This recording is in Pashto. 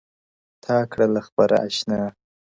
o تـا كــړلــه خـــپـــره اشــــنـــــا؛